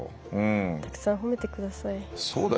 たくさん褒めてください。